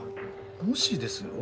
もしですよ